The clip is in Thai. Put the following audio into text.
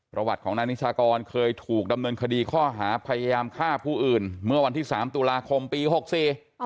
ประวัติของนายนิชากรเคยถูกดำเนินคดีข้อหาพยายามฆ่าผู้อื่นเมื่อวันที่สามตุลาคมปีหกสี่